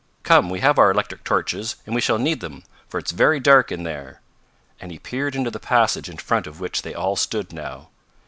Come, we have our electric torches, and we shall need them, for it's very dark in there," and he peered into the passage in front of which they all stood now.